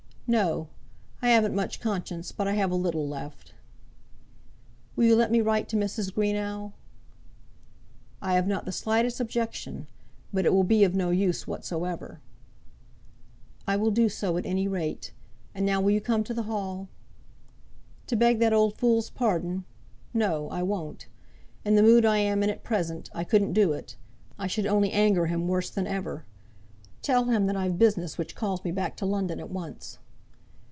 "No. I haven't much conscience; but I have a little left." "Will you let me write to Mrs. Greenow?" "I have not the slightest objection; but it will be of no use whatsoever." "I will do so, at any rate. And now will you come to the Hall?" "To beg that old fool's pardon? No; I won't. In the mood I am in at present, I couldn't do it. I should only anger him worse than ever. Tell him that I've business which calls me back to London at once."